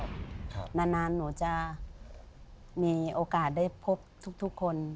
แสดงเหนะนั้นหนูจะมีโอกาสได้พบทุกคน